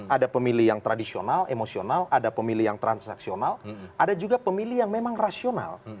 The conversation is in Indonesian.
ada pemilih yang tradisional emosional ada pemilih yang transaksional ada juga pemilih yang memang rasional